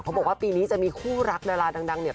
บอกว่าปีนี้จะมีคู่รักดาราดังเนี่ย